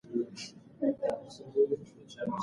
ستا په خیال اوس ډېر ناوخته دی؟